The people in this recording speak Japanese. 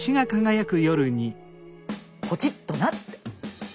ポチッとなって。